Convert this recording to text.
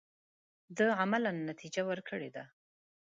دا عملاً نتیجه ورکړې ده.